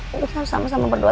bu kita harus sama sama berdoa